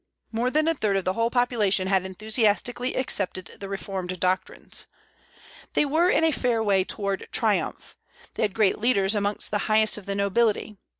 More than a third of the whole population had enthusiastically accepted the reformed doctrines. They were in a fair way toward triumph; they had great leaders among the highest of the nobility.